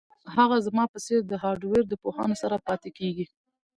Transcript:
دا زما په څیر د هارډویر پوهانو سره پاتې کیږي